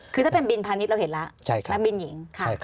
คือถ้าเป็นบินพาณิชย์เราเห็นแล้วนักบินหญิง